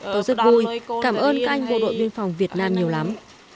tôi rất vui cảm ơn các anh bộ đội biên phòng việt nam nhiều lắm